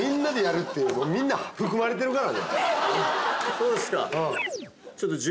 そうですか。